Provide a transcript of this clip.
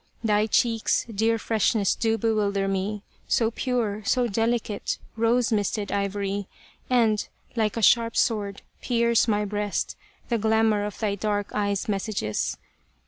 Thy cheeks' dear freshness do bewilder me, So pure, so delicate, rose misted ivory : And, like a sharp sword, pierce my breast The glamour of thy dark eyes' messages.